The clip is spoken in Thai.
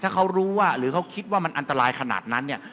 ถ้าเขารู้ว่าหรือเขาคิดว่ามันอันตรายขนาดนั้นเนี่ย